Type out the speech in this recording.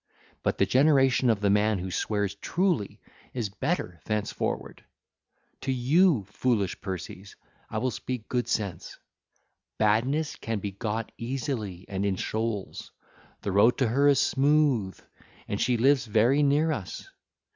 But the generation of the man who swears truly is better thenceforward. (ll. 286 292) To you, foolish Perses, I will speak good sense. Badness can be got easily and in shoals: the road to her is smooth, and she lives very near us.